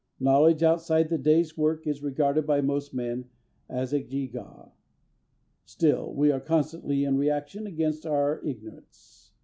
Knowledge outside the day's work is regarded by most men as a gewgaw. Still we are constantly in reaction against our ignorance.